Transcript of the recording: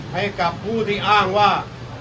ให้กับผู้ที่อ้างว่า